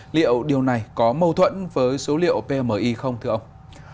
liệu điều này có mâu thuẫn với số liệu pmi không thưa ông